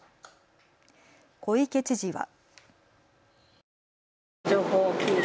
小池知事は。